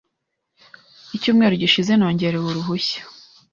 Icyumweru gishize nongerewe uruhushya .